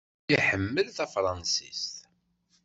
Iḥemmel tafṛansist.